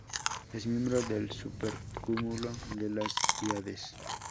Es miembro del supercúmulo de las Híades.